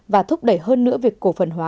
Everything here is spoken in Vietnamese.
và thúc đẩy hơn nữa việc cổ phần hóa